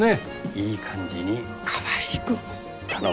いい感じにかわいく頼むね。